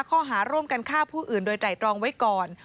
ข้อหาร่วมกันฆ่าผู้อื่นโดยไตรตรองไว้ก่อน